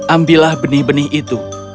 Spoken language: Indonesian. ambillah benih benih itu